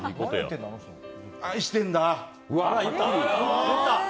愛してんだ。